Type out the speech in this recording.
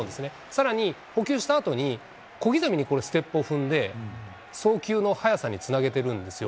さらに、捕球したあとに、小刻みにこれ、ステップを踏んで、送球の速さにつなげてるんですよ。